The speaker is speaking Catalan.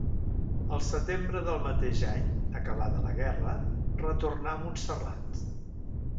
El setembre del mateix any, acabada la guerra, retornà a Montserrat.